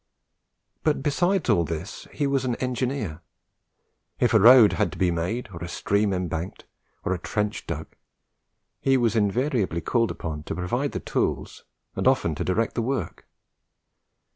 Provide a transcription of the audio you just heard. But besides all this, he was an engineer. If a road had to be made, or a stream embanked, or a trench dug, he was invariably called upon to provide the tools, and often to direct the work.